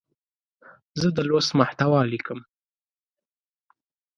زه د لوست محتوا لیکم.